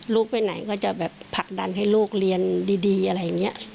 ลูกไปไหนก็จะแบบผลักดันให้ลูกเรียนดีอะไรอย่างนี้